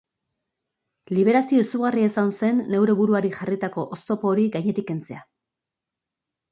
Liberazio izugarria izan zen neure buruari jarritako oztopo hori gainetik kentzea.